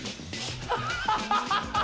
ハハハハハ！